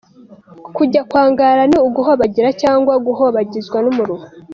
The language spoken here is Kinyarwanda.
Kujya kwa Ngara ni uguhobagira cyangwa guhobagizwa n’umuruho.